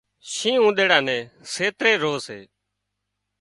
شينهن اُونۮيڙا نين سيتري رو سي